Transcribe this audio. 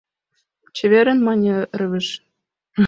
— Чеверын… — мане Рывыж.